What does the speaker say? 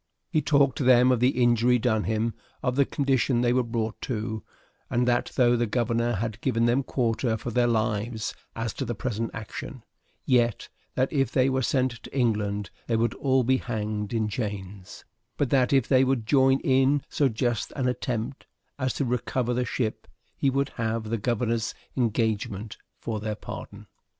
He talked to them of the injury done him, of the condition they were brought to, and that, though the governor had given them quarter for their lives as to the present action, yet that if they were sent to England they would all be hanged in chains; but that if they would join in so just an attempt as to recover the ship, he would have the governor's engagement for their pardon.